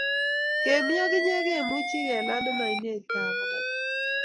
kemi ak inye kemuchi ke lande ainet ab bananda